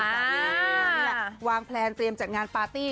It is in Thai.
นี่แหละวางแพลนเตรียมจัดงานปาร์ตี้